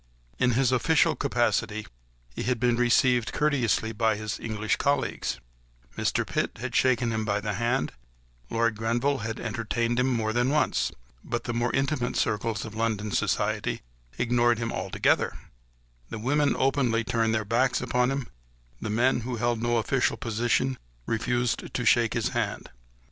In his official capacity he had been received courteously by his English colleagues: Mr. Pitt had shaken him by the hand; Lord Grenville had entertained him more than once; but the more intimate circles of London society ignored him altogether; the women openly turned their backs upon him; the men who held no official position refused to shake his hand.